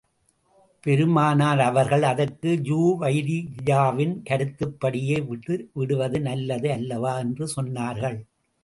பெருமானார் அவர்கள் அதற்கு, ஜூவைரிய்யாவின் கருத்துப் படியே விட்டுவிடுவது நல்லது அல்லவா? என்று சொன்னார்கள்.